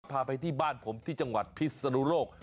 พาไปที่บ้านผมที่จังหวัดพิศนุโลก